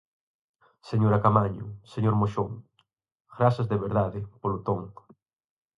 Señora Caamaño, señor Moxón, grazas de verdade polo ton.